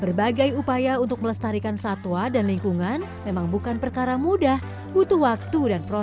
berbagai upaya untuk melestarikan satwa dan lingkungan memang bukan perkara mudah butuh waktu dan proses